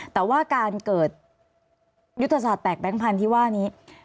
แต่ว่าการเกิดยุทธศาสตแตกแบงค์พันธุ์ที่ว่านี้